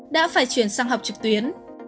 đã phải chuyển sang học trực tuyến